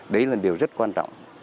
đấy là điều rất quan trọng